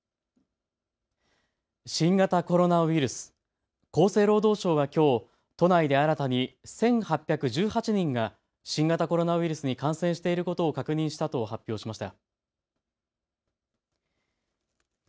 新型コロナウイルス、厚生労働省はきょう都内で新たに１８１８人が新型コロナウイルスに感染していることを確認したと発表しました。